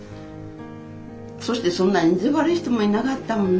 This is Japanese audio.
そしてそんなに意地悪い人もいなかったもんな。